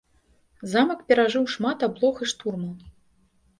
Замак перажыў шмат аблог і штурмаў.